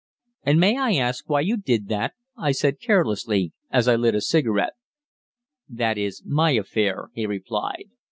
"And may I ask why you did that?" I said carelessly, as I lit a cigarette. "That is my affair," he replied.